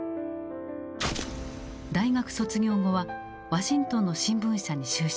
大学卒業後はワシントンの新聞社に就職。